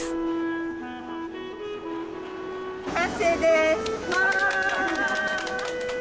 完成です。